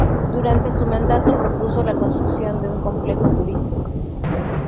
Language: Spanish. Durante su mandato propuso la construcción de un complejo turístico.